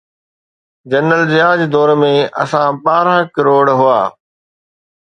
General Zia جي دور ۾ اسان ٻارهن ڪروڙ هئا.